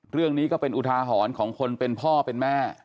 เรื่องนี้ก็เป็นอุทาหรณ์ของคนเป็นพ่อเป็นแม่